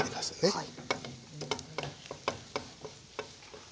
はい。